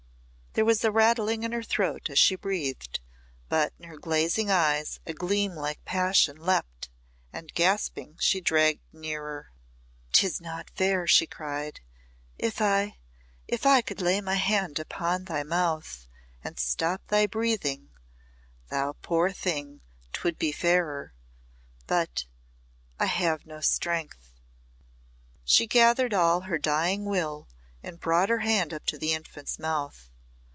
There was a rattling in her throat as she breathed, but in her glazing eyes a gleam like passion leaped, and gasping, she dragged nearer. "'Tis not fair," she cried. "If I if I could lay my hand upon thy mouth and stop thy breathing thou poor thing, 'twould be fairer but I have no strength." She gathered all her dying will and brought her hand up to the infant's mouth.